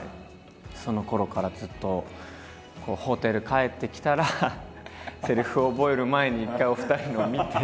そのころからずっとホテル帰ってきたらセリフを覚える前に一回お二人のを見て。